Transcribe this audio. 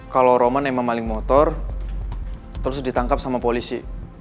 kalau roman emang maling motor terus ditangkap sama polisi